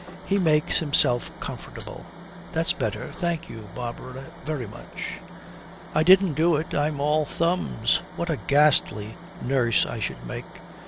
He makes himself comfortable. 'That's better. Thank you, Barbara, very much.' 'I didn't do it. I'm all thumbs. What a ghastly nurse I should make.'